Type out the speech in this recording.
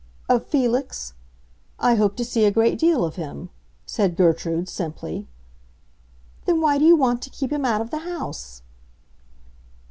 "Of Felix? I hope to see a great deal of him," said Gertrude, simply. "Then why do you want to keep him out of the house?"